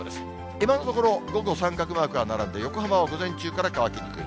今のところ、午後、三角マークが並んで、横浜は午前中から乾きにくい。